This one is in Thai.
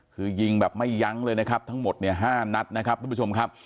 คือยิงแบบไม่ยั้งเลยนะครับทั้งหมดเนี่ย๕นัดนะครับทุกผู้ชมครับ